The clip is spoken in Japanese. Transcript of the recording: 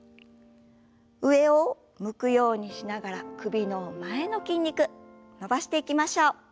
上を向くようにしながら首の前の筋肉伸ばしていきましょう。